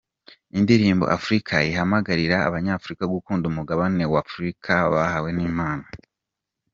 Indirimbo Afurika ihamagarira abanyafurika gukunda umugabane wa Afurika bahawe n'Imana.